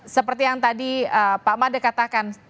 seperti yang tadi pak made katakan